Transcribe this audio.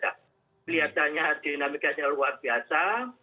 kelihatannya dinamikanya luar biasa